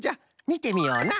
みてみような！